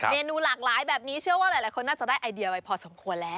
เมนูหลากหลายแบบนี้เชื่อว่าหลายคนน่าจะได้ไอเดียไปพอสมควรแล้ว